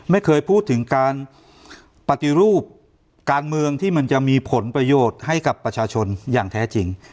ไม่เคยพูดถึงการปฏิรูปการเมืองที่มันจะมีผลประโยชน์ให้กับประชาชนอย่างแท้จริง